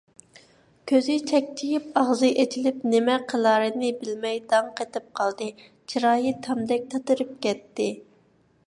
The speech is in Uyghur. كۆزى چەكچىيىپ، ئاغزى ئېچىلىپ، نېمە قىلارىنى بىلمەي داڭقېتىپ قالدى، چىرايى تامدەك تاتىرىپ كەتتى.